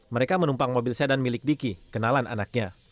mereka menumpang mobil sedan milik diki kenalan anaknya